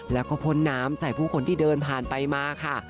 แล้วก็พ่นน้ำใส่ผู้คนที่เดินผ่านไปมาค่ะ